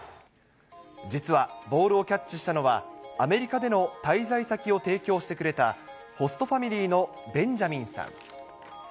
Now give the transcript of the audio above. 実は、ボールをキャッチしたのは、アメリカでの滞在先を提供してくれた、ホストファミリーのベンジャミンさん。